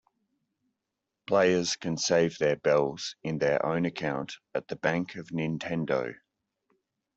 Players can save their bells in their own account at the Bank of Nintendo.